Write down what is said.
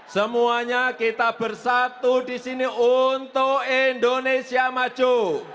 semuanya kita bersatu di sini untuk indonesia maju